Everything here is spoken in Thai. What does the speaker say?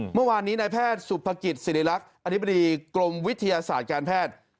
เมื่อวานนี้นายแพทย์สุภกิจสิริรักษ์อธิบดีกรมวิทยาศาสตร์การแพทย์